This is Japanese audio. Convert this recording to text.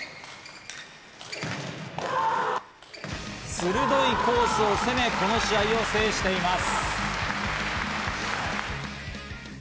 鋭いコースを攻め、この試合を制しています。